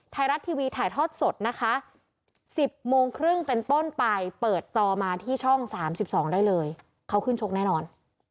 ไทยรัฐทีวีถ่ายทอดสดนะคะ๑๐โมงครึ่งเป็นต้นไปเปิดจอมาที่ช่อง๓๒ได้เลยเขาขึ้นชกแน่นอน